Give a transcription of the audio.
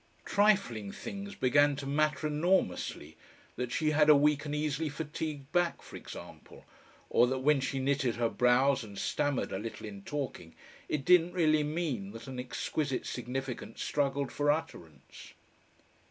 Trifling things began to matter enormously, that she had a weak and easily fatigued back, for example, or that when she knitted her brows and stammered a little in talking, it didn't really mean that an exquisite significance struggled for utterance.